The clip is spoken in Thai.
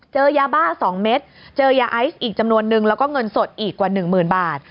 เจอยาบ้า๒เม็ดเจอยาไอซ์อีกจำนวนนึงแล้วก็เงินสดอีกกว่าหนึ่งหมื่นบาท